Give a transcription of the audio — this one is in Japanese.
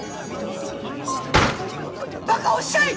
バカおっしゃい！